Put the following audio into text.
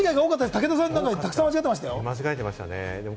武田さん、たくさんおっしゃってましたよ。